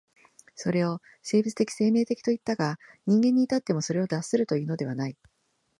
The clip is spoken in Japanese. それを生物的生命的といったが、人間に至ってもそれを脱するというのではない。